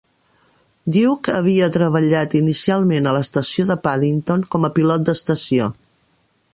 Duck havia treballat inicialment a l'estació de Paddington com a pilot d'estació.